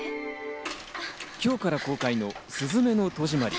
今日から公開の『すずめの戸締まり』。